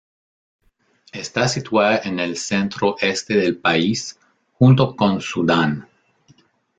Está situada en el centro-este del país, junto con Sudán.